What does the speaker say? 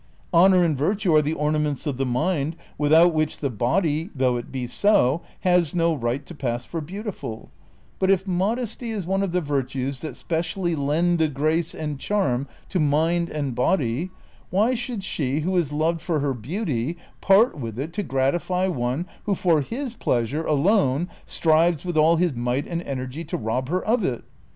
Honor and virtue are the ornaments of the mind, without whicli the body, though it be so, has no right to pass for beautiful ; l)ut if modesty is one of the virtues that specially lend a grace and charm to mind and body, Avhy should she who is loved for her beauty part with it to gratify one who for his pleasure alone strives with all his might and energy to rob her of it